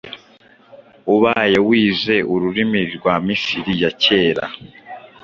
ubaye wize ururimi rwa Misiri ya kera.